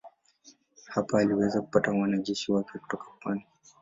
Hapa aliweza kupata wanajeshi wapya kutoka pwani.